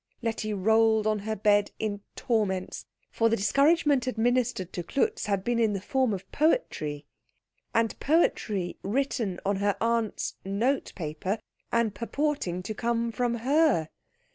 Letty rolled on her bed in torments; for the discouragement administered to Klutz had been in the form of poetry, and poetry written on her aunt's notepaper, and purporting to come from her.